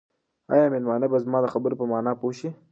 آیا مېلمانه به زما د خبرو په مانا پوه شي؟